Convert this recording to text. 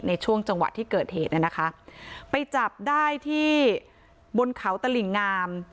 ในช่วงจังหวะที่เกิดเหตุน่ะนะคะไปจับได้ที่บนเขาตลิ่งงาม